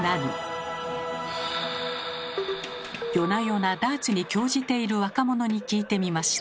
夜な夜なダーツに興じている若者に聞いてみました。